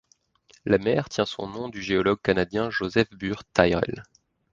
La mer tient son nom du géologue canadien Joseph Burr Tyrrell.